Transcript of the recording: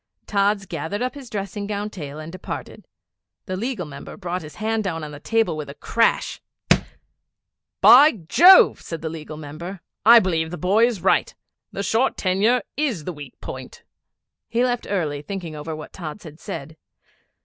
Tods gathered up his dressing gown tail and departed. The Legal Member brought his hand down on the table with a crash 'By Jove!' said the Legal Member, 'I believe the boy is right. The short tenure is the weak point.' He left early, thinking over what Tods had said.